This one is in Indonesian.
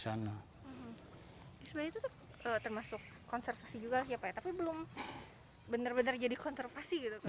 sebenarnya tetap termasuk konservasi juga lah ya pak ya tapi belum benar benar jadi konservasi gitu kan